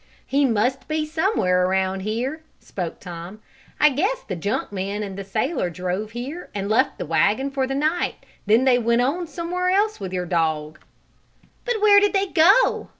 "He must be somewhere around here," spoke Tom. "I guess the junk man and the sailor drove here, and left the wagon for the night. Then they went on somewhere else with your dog." "But where did they go?"